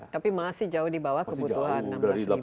tapi masih jauh di bawah kebutuhan enam belas